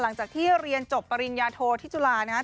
หลังจากที่เรียนจบปริญญาโทที่จุฬานะครับ